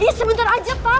iya sebentar aja pak